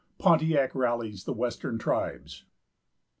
PONTIAC RALLIES THE WESTERN TRIBES.